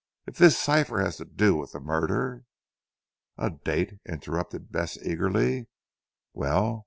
If this cipher has to do with the murder " "A date!" interrupted Bess eagerly, "well!